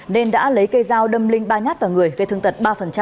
nên đã lấy cây dao đâm linh ba nhát vào người gây thương tật ba